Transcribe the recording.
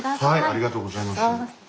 ありがとうございます。